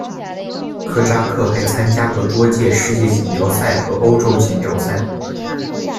科扎克还参加过多届世界锦标赛和欧洲锦标赛。